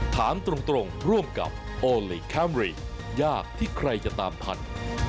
ถามตรงร่วมกับโอลี่คัมรี่ยากที่ใครจะตามทัน